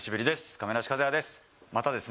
亀梨和也です。